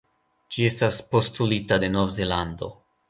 Ĝi estas postulita de Novzelando.